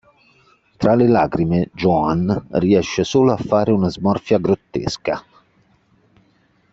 Tra le lacrime Johann riesce solo a fare una smorfia grottesca.